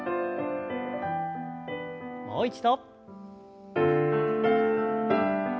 もう一度。